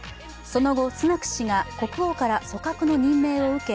その後、スナク氏が国王から組閣の任命を受け